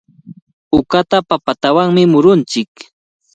Uqataqa papatanawmi murunchik.